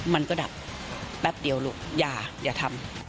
มันก็ดับแป๊บเดียวลูกอย่าทำ